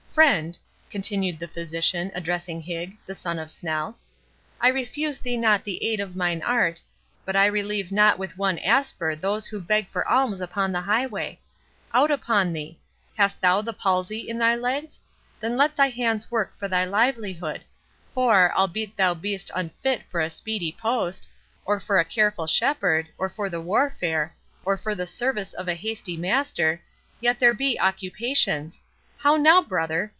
—Friend," continued the physician, addressing Higg, the son of Snell, "I refuse thee not the aid of mine art, but I relieve not with one asper those who beg for alms upon the highway. Out upon thee!—Hast thou the palsy in thy legs? then let thy hands work for thy livelihood; for, albeit thou be'st unfit for a speedy post, or for a careful shepherd, or for the warfare, or for the service of a hasty master, yet there be occupations—How now, brother?"